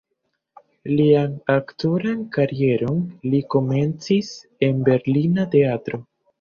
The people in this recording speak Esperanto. Lian aktoran karieron li komencis en berlina teatro.